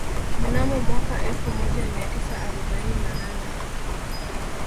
Mnamo mwaka elfu moja mia tisa arobaini na nane